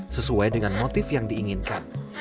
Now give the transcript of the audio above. sesuai dengan motif yang diinginkan